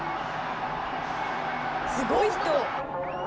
すごい人！